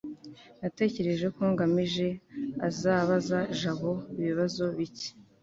natekereje ko ngamije azabaza jabo ibibazo bike